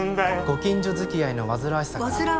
ご近所づきあいの煩わしさから。